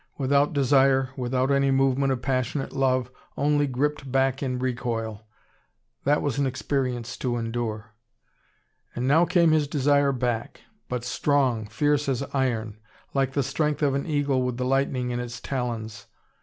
Without desire, without any movement of passionate love, only gripped back in recoil! That was an experience to endure. And now came his desire back. But strong, fierce as iron. Like the strength of an eagle with the lightning in its talons.